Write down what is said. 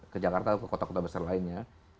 ke jakarta ke kota kota besar lainnya